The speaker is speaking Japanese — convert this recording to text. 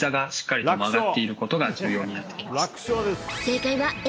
正解はＡ。